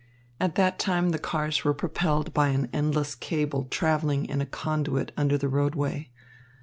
At that time the cars were propelled by an endless cable travelling in a conduit under the roadway.